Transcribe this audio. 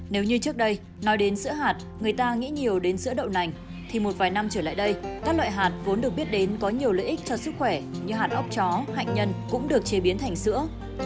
nếu như trước đây nói đến sữa hạt người ta nghĩ nhiều đến sữa đậu nành thì một vài năm trở lại đây các loại hạt vốn được biết đến có nhiều lợi ích cho sức khỏe như hạt ốc chó hạnh nhân cũng được chế biến thành sữa